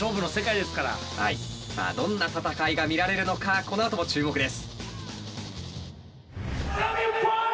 さあどんな戦いが見られるのかこのあとも注目です。